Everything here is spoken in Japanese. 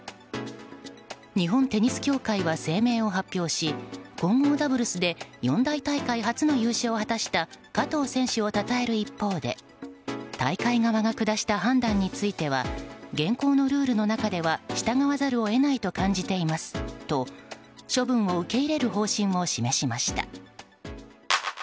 日本テニス協会は声明を発表し混合ダブルスで四大大会初の優勝を果たした加藤選手をたたえる一方で大会側が下した判断については現行のルールの中では従わざるを得ないと感じていますと処分を受け入れる方針を示しました。